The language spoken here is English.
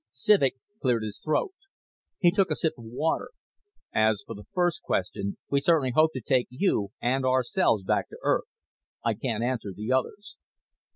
Civek cleared his throat. He took a sip of water. "As for the first question we certainly hope to take you and ourselves back to Earth. I can't answer the others."